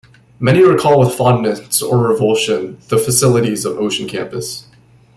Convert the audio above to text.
Many recall with fondness or revulsion the facilities of Ocean Campus.